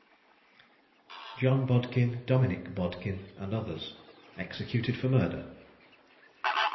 JOHN BODKIN, DOMINICK BODKIN, AND OTHERS. EXECUTED FOR MURDER.